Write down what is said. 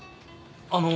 あの。